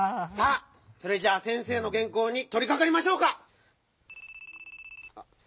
さあそれじゃあ先生のげんこうにとりかかりましょうか！